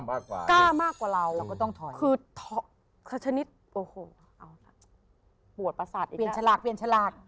อ่ากล้ามากกว่าเราคือสักชนิดโอ้โหปวดประสาทอีกเปลี่ยนฉลากเปลี่ยนฉลาก